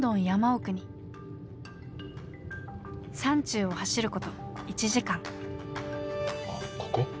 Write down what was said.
山中を走ること１時間。